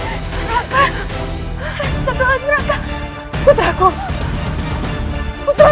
rata bangun rata